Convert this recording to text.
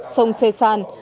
sông sê san